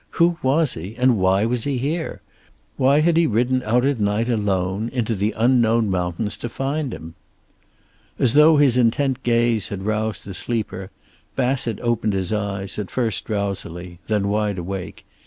Who was he, and why was he here? Why had he ridden out at night alone, into unknown mountains, to find him? As though his intent gaze had roused the sleeper, Bassett opened his eyes, at first drowsily, then wide awake.